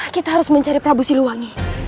kita harus mencari prabu siliwangi